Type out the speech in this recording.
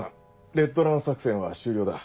レッドラン作戦は終了だ。